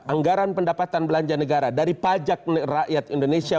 anggaran pendapatan belanja negara dari pajak rakyat indonesia